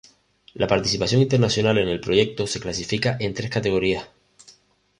La participación internacional en el proyecto se clasifica en tres categorías.